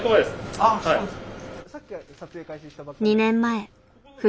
あっそうなんですか。